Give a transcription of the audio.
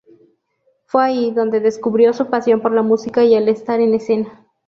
Fue ahí donde descubrió su pasión por la música y el estar en escena.